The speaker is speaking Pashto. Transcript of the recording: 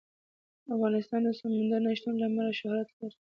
افغانستان د سمندر نه شتون له امله شهرت لري.